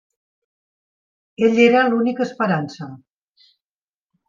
Ell era l'única esperança.